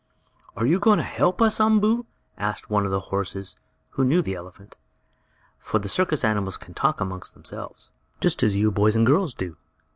"Are you going to help us, Umboo?" asked one of the horses who knew the elephant, for the circus animals can talk among themselves, just as you boys and girls do.